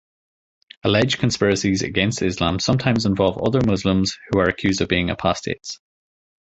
Alleged conspiracies against Islam sometimes involve other Muslims who are accused of being apostates.